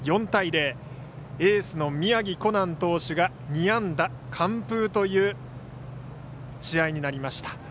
４対０、エースの宮城誇南投手が２安打完封という試合になりました。